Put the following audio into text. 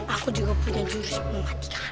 aku juga punya jurus pembahas